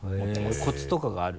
へぇコツとかがある？